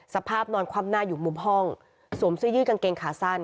สภาพนอนคว่ำหน้าอยู่มุมห้องสวมเสื้อยืดกางเกงขาสั้น